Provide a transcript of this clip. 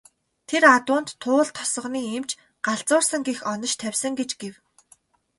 Тэр адуунд Туул тосгоны эмч "галзуурсан" гэх онош тавьсан гэж гэв.